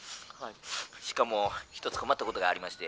しかも一つ困ったことがありまして」。